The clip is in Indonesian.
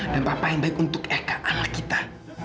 dan papa yang baik untuk eka anak kita